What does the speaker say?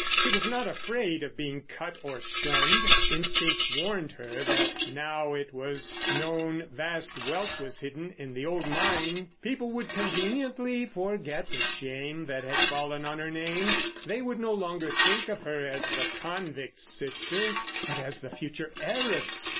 She was not afraid of being cut or shunned. Instinct warned her, that now it was known vast wealth was hidden in the old mine, people would conveniently forget the shame that had fallen on her name. They would no longer think of her as the convict's sister, but as the future heiress.